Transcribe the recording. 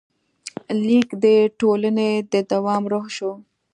لیک د ټولنې د دوام روح شو.